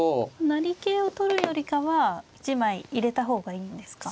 成桂を取るよりかは１枚入れた方がいいんですか。